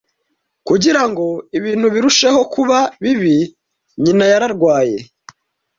Kugira ngo ibintu birusheho kuba bibi, nyina yararwaye.